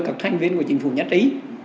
các thành viên của chính phủ nhắc ý